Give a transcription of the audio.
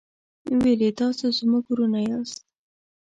ویل یې تاسو زموږ ورونه یاست.